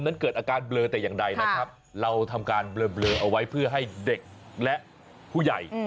เกิดอาการเบลอแต่อย่างใดนะครับเราทำการเบลอเอาไว้เพื่อให้เด็กและผู้ใหญ่